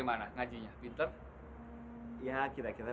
maafkan bapak ya